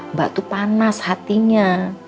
mbak tuh panas hatinya